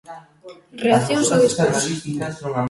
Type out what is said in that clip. Reaccións ao discurso.